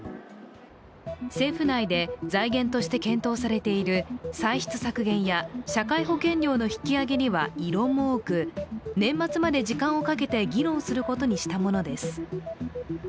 政府内で、財源として検討されている歳出削減や、社会保険料の引き上げには異論も多く年末まで時間をかけて議論することにしたものです。